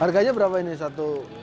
harganya berapa ini satu